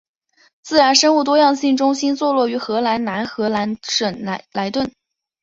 自然生物多样性中心座落于荷兰南荷兰省莱顿。